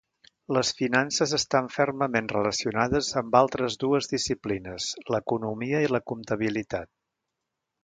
Les finances estan fermament relacionades amb altres dues disciplines: l'Economia i la Comptabilitat.